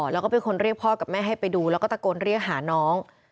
แล้วก็เป็นคนเรียกพ่อกับแม่ให้ไปดูแล้วก็ตะโกนเรียกหาน้อง